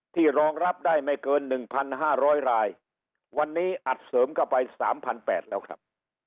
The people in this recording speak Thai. ที่รองรับได้ไม่เกินหนึ่งพันห้าร้อยรายวันนี้อัดเสริมเข้าไปสามพันแปดแล้วครับ